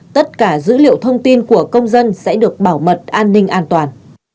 tất cả dữ liệu thông tin của công dân sẽ được bảo mật an ninh an toàn